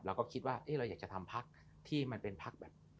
เราก็คิดว่าเราอยากจะทำพักที่มันเป็นพักแบบ